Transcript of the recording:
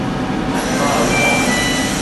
Anem a Almenar.